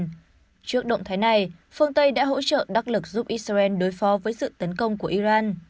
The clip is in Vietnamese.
trước động thái này phương tây đã hỗ trợ đắc lực giúp israel đối phó với sự tấn công của iran